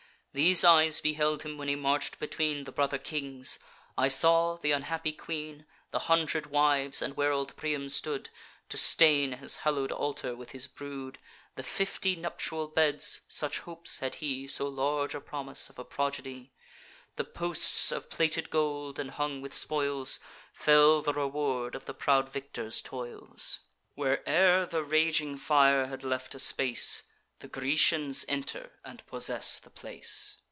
These eyes beheld him when he march'd between The brother kings: I saw th' unhappy queen, The hundred wives, and where old Priam stood, To stain his hallow'd altar with his brood. The fifty nuptial beds (such hopes had he, So large a promise, of a progeny), The posts, of plated gold, and hung with spoils, Fell the reward of the proud victor's toils. Where'er the raging fire had left a space, The Grecians enter and possess the place.